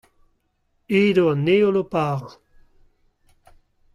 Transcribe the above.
edo an heol o parañ.